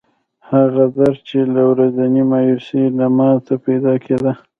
هغه درد چې له ورځنۍ مایوسۍ نه ماته پیدا کېده.